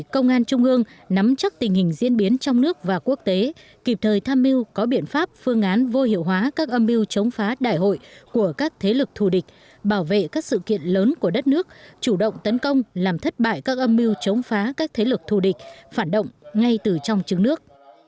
công an trung ương nắm chắc tình hình diễn biến trong nước và quốc tế kịp thời tham mưu có biện pháp phương án vô hiệu hóa các âm mưu chống phá đại hội của các thế lực thù địch bảo vệ các sự kiện lớn của đất nước chủ động tấn công làm thất bại các âm mưu chống phá các thế lực thù địch phản động ngay từ trong chứng nước